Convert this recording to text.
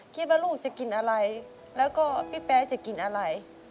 คิดว่าลูกจะกินอะไรแล้วก็พี่แป๊จะกินอะไร